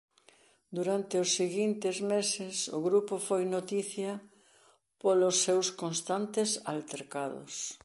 Durante os seguintes meses o grupo foi noticia polos seus constantes altercados.